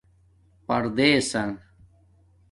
پرنداس